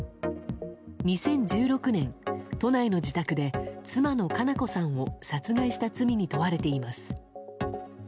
２０１６年、都内の自宅で妻の佳菜子さんを殺害した罪に問われています。